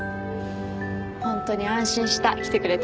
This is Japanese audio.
ホントに安心した。来てくれて。